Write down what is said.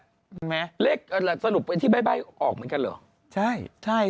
ออกนะเห็นไหมเลขสรุปใบออกเหมือนกันหรือ